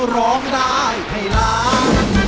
ร้องได้ให้ล้าน